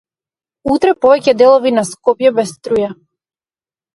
Утре повеќе делови на Скопје без струја